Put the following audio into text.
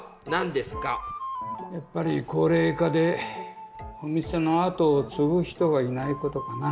やっぱり高齢化でお店のあとをつぐ人がいないことかな。